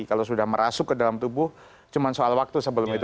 kalau sudah merasuk ke dalam tubuh cuma soal waktu sebelum itu